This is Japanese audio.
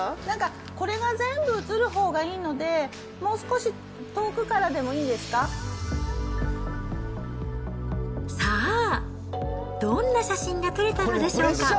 なんか、これが全部写るほうがいいので、もう少し遠くからでもいいですかさあ、どんな写真が撮れたのでしょうか。